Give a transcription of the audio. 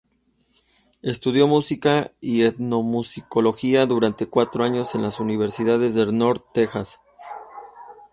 Estudió música y etnomusicología durante cuatro años en la Universidad de North Texas.